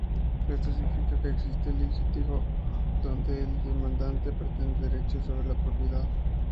Esto significa que existe un litigio donde el demandante pretende derechos sobre la propiedad.